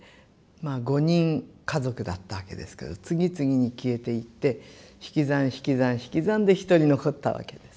５人家族だったわけですけど次々に消えていって引き算引き算引き算で１人残ったわけです。